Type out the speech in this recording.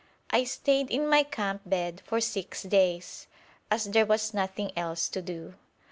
I stayed in my camp bed for six days, as there was nothing else to do.